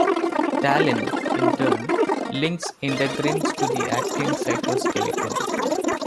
Talin, in turn, links integrins to the actin cytoskeleton.